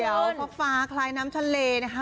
ดูเขียวเขาฟ้าคลายน้ำทะเลนะคะ